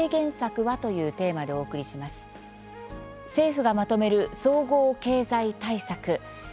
政府がまとめる総合経済対策。